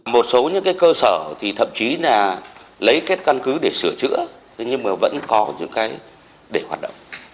một số những cái cơ sở thì thậm chí là lấy kết căn cứ để sửa chữa nhưng mà vẫn có những cái để hoạt động